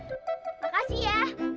sekarang aku curug